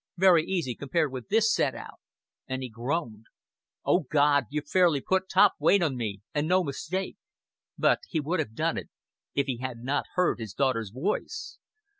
Very easy compared with this set out;" and he groaned. "O God, you've fairly put top weight on me and no mistake." But he would have done it if he had not heard his daughter's voice.